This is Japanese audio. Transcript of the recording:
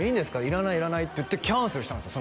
「いらないいらない」って言ってキャンセルしたんですよ